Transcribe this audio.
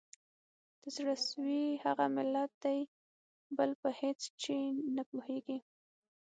د زړه سوي هغه ملت دی بل په هیڅ چي نه پوهیږي